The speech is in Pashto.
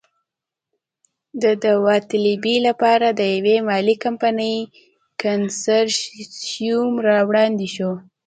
د داوطلبۍ لپاره د یوې مالي کمپنۍ کنسرشیوم را وړاندې شو.